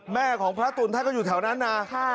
แม่ของพระตุ๋นท่านก็อยู่แถวนั้นนะ